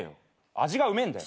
味がうめえんだよ。